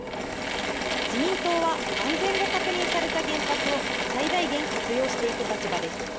自民党は安全が確認された原発を最大限活用していく立場です。